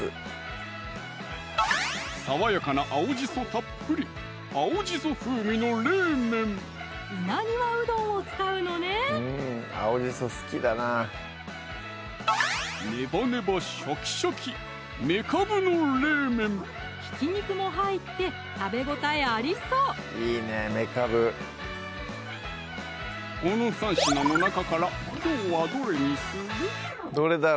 爽やかな青じそたっぷり稲庭うどんを使うのねねばねばシャキシャキひき肉も入って食べ応えありそうこの３品の中からきょうはどれにする？